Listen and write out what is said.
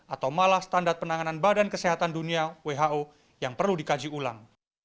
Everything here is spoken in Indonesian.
atau malah standar penanganan badan kesehatan dunia who yang perlu dikaji ulang